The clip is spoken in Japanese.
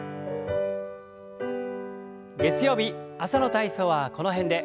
月曜日朝の体操はこの辺で。